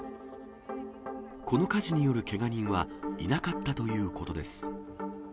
この火事によるけが人はいなかったということです。